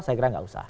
saya kira gak usah